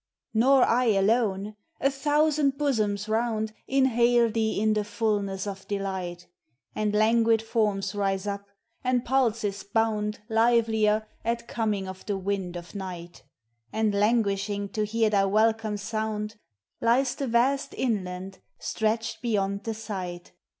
Nor I alone,— a thousand bosoms round Inhale thee in the fulness of delight; And languid forms rise up, and pulses bound Livelier, at coming of the wind of night; And languishing to hear thy welcome sound, Lies the vast inland, stretched beyond the Bight.